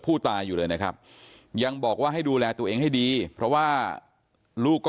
ผู้ตายอยู่เลยนะครับยังบอกว่าให้ดูแลตัวเองให้ดีเพราะว่าลูกก็